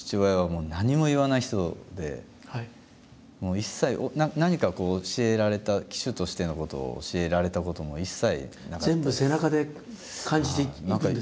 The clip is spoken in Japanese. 一切何か教えられた騎手としてのことを教えられたことも一切なかったです。